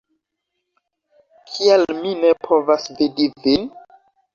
Kial mi ne povas vidi vin?